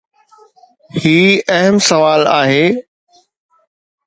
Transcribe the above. هي اهم سوال آهي.